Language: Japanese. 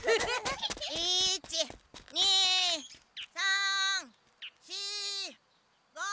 １２３４５。